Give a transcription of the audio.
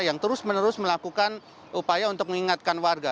yang terus menerus melakukan upaya untuk mengingatkan warga